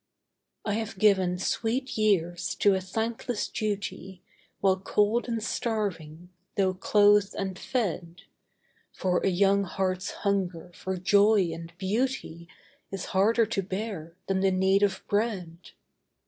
I have given sweet years to a thankless duty While cold and starving, though clothed and fed, For a young heart's hunger for joy and beauty Is harder to bear than the need of bread.